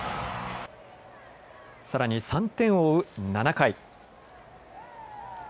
さらに３点を追う７回。